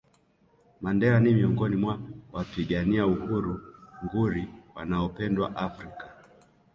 Mandela ni miongoni mwa wapigania uhuru nguli wanaopendwa Afrika